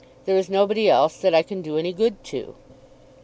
There is nobody else that I can do any good to."